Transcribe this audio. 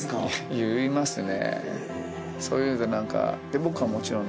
言いますね。